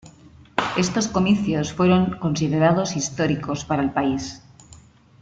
Estos comicios fueron considerados históricos para el país.